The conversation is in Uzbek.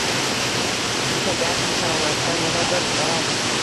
Bu tabiatning karomatidan yana bir darak.